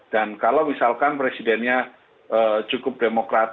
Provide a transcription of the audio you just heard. dan kalau misalkan presidennya cukup demokratis